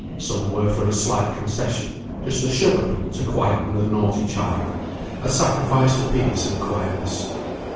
Some were for a slight concession, just a sugar plum to quieten the naughty child, a sacrifice to peace and quietness.